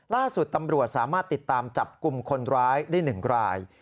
ล่าสุดตำรวจสามารถติดตามจับกลุ่มคนร้ายได้๑ราย